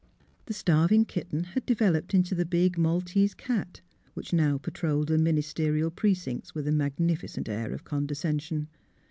The starving kitten had developed into the big maltese cat, which now patrolled the ministerial precincts with a magnificent air of condescension.